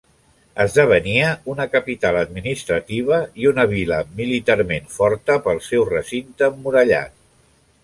Esdevenia una capital administrativa i una vila militarment forta, pel seu recinte emmurallat.